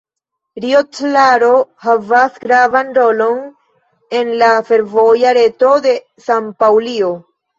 Rio Claro havas gravan rolon en la fervoja reto de San-Paŭlio.